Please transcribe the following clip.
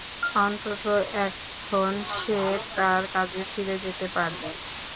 অন্তত এখন সে তার কাজে ফিরে যেতে পারবে।